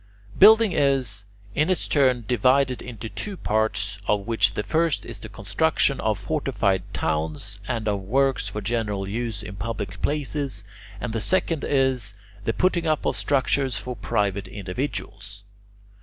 Building is, in its turn, divided into two parts, of which the first is the construction of fortified towns and of works for general use in public places, and the second is the putting up of structures for private individuals.